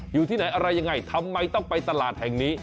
อยู่ที่ไหนอะไรยังไงทำไมต้องไปตลาดแห่งนี้